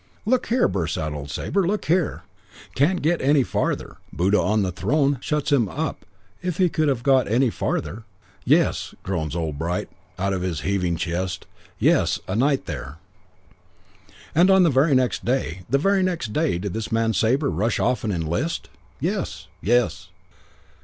"'Look here ' bursts out old Sabre. 'Look here ' "Can't get any farther. Buddha on the throne shuts him up if he could have got any farther. 'Yes,' groans old Bright out of his heaving chest. 'Yes. A night there.' "And on the very next day, the very next day, did this man Sabre rush off and enlist? 'Yes. Yes.'